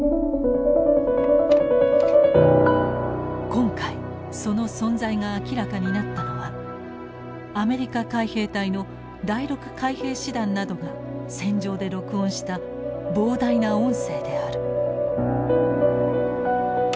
今回その存在が明らかになったのはアメリカ海兵隊の第６海兵師団などが戦場で録音した膨大な音声である。